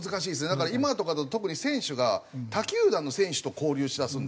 だから今とかだと特に選手が他球団の選手と交流しだすんで。